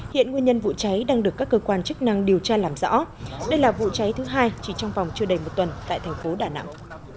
hiện nguyên nhân vụ cháy đang được các cơ quan chức năng điều tra làm rõ đây là vụ cháy thứ hai chỉ trong vòng chưa đầy một tuần tại thành phố đà nẵng